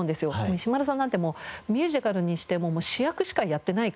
石丸さんなんてもうミュージカルにしても主役しかやってない方なのでね。